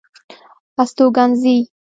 استوګنځي